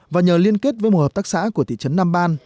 và nhờ liên kết với một hợp tác xã của thị trấn nam ban